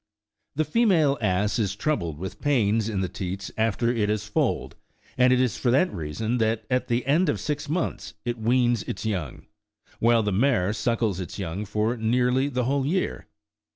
(40.) The female ass is troubled with pains in the teats after it has foaled, and it is for that reason that at the end of six months it weans its young ; while the mare suckles its young for nearly the whole year.